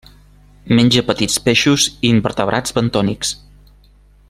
Menja petits peixos i invertebrats bentònics.